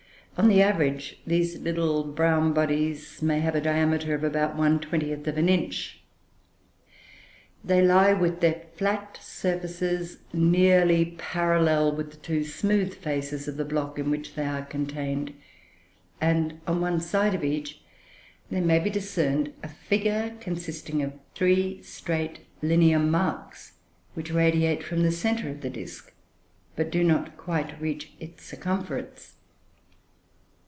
On the average, these little brown bodies may have a diameter of about one twentieth of an inch. They lie with their flat surfaces nearly parallel with the two smooth faces of the block in which they are contained; and, on one side of each, there may be discerned a figure, consisting of three straight linear marks, which radiate from the centre of the disk, but do not quite reach its circumference.